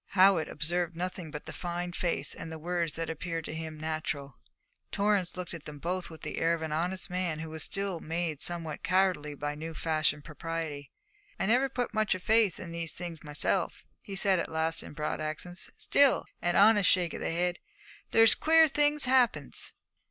Howitt observed nothing but the fine face and the words that appeared to him natural. Torrance looked at them both with the air of an honest man who was still made somewhat cowardly by new fashioned propriety. 'I never put much o' my faith in these things myself,' he said at last in broad accents, 'still,' an honest shake of the head 'there's queer things happens.'